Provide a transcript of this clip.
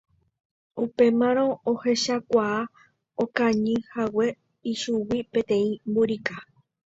Upémarõ ohechakuaa okañyhague ichugui peteĩ mburika